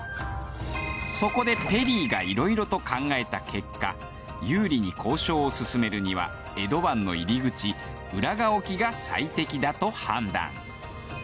そこでペリーがいろいろと考えた結果有利に交渉を進めるには江戸湾の入口浦賀沖が最適だと判断。